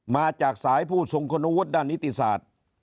มาจากสายผู้ทรงคุณวุฒิด้านนิติศาสตร์